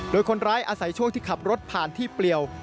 โดยคนร้ายอาศัยช่วงที่ขับรถผ่านที่เปลี่ยว